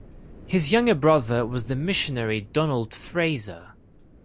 His younger brother was the missionary Donald Fraser.